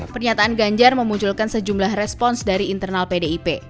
pernyataan ganjar memunculkan sejumlah respons dari internal pdip